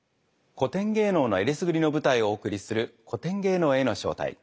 古典芸能の選りすぐりの舞台をお送りする「古典芸能への招待」。